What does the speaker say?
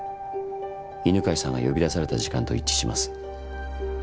犬飼さんが呼び出された時間と一致します。